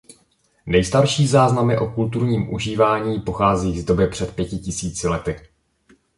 Nejstarší záznamy o kulturním užívání pocházejí z doby před pěti tisíci lety.